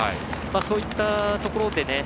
そういったところでね